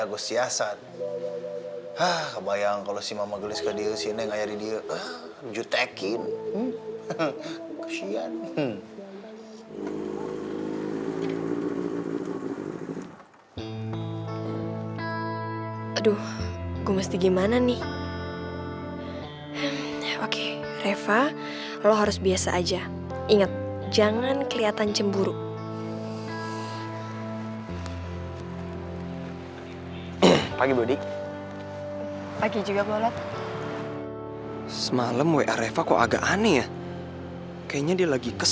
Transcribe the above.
oh iya boy kemarin gimana ketemuan sama mama kamu